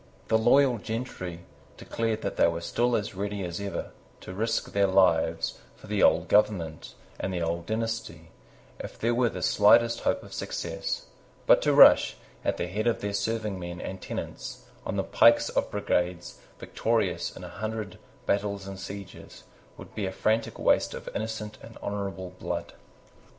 The loyal gentry declared that they were still as ready as ever to risk their lives for the old government and the old dynasty, if there were the slightest hope of success: but to rush, at the head of their serving men and tenants, on the pikes of brigades victorious in a hundred battles and sieges, would be a frantic waste of innocent and honourable blood.